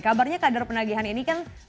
kabarnya kader penagihan ini kan